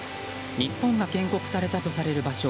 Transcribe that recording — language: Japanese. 日本が建国されたとされる場所